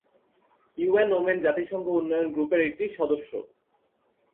UN women জাতিসংঘ উন্নয়ন গ্রুপের একটি সদস্য।